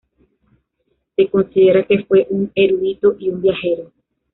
Se considera que fue un erudito y un viajero.